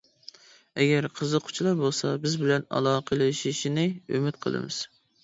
ئەگەر قىزىققۇچىلار بولسا، بىز بىلەن ئالاقىلىشىشىنى ئۈمىد قىلىمىز.